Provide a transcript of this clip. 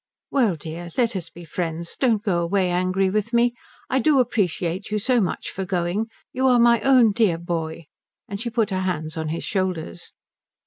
"Well dear let us be friends. Don't go away angry with me. I do appreciate you so much for going. You are my own dear boy." And she put her hands on his shoulders.